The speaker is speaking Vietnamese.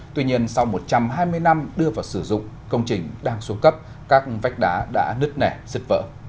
tuy nhiên sau một trăm hai mươi năm đưa vào sử dụng công trình đang xuống cấp các vách đá đã nứt nẻ giật vỡ